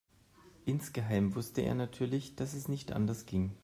Insgeheim wusste er natürlich, dass es nicht anders ging.